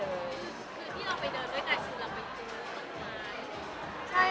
คือที่เราไปเดินด้วยกับที่เราไปดูมันมาย